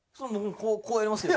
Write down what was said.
こうやりますよ。